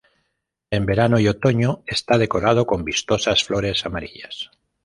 En verano y otoño, está decorado con vistosas flores amarillas.